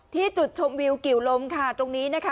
ที่จุดชมวิวกิวลมค่ะตรงนี้นะคะ